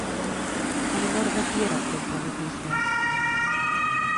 En honor de qui era el temple de Tisbe?